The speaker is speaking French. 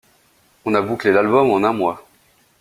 On a bouclé l’album en un mois.